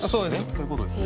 そういう事ですね。